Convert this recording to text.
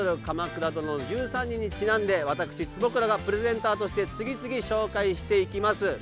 「鎌倉殿の１３人」にちなんで私、坪倉がプレゼンターとして次々、紹介していきます。